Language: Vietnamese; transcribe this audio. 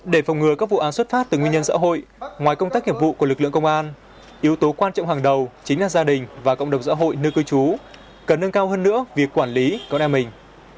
để phòng ngừa các vụ án xuất phát từ nguyên nhân xã hội ngoài công tác kiệp vụ của lực lượng công an yếu tố quan trọng hàng đầu chính là gia đình và cộng đồng xã hội nơi cư trú cần nâng cao hơn nữa việc quản lý con em mình